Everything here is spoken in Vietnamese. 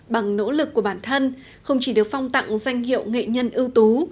bằng nỗ lực của bản thân không chỉ được phong tặng danh hiệu nghệ nhân ưu tú